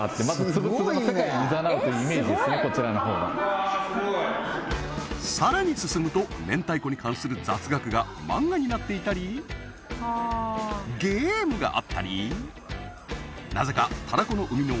うわすごいさらに進むと明太子に関する雑学が漫画になっていたりゲームがあったりなぜかたらこの生みの親